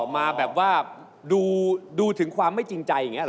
มาแบบว่าดูถึงความไม่จริงใจอย่างนี้หรอ